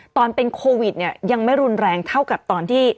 ตอนเป็นโควิดเนี่ยยังไม่รุนแรงเท่ากับตอนที่